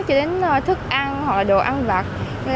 cho đến thức ăn hoặc là đồ ăn vặt